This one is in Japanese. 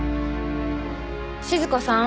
静子さん。